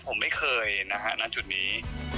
ผมไม่เคยนะฮะณจุดนี้